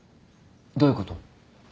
どういうこと？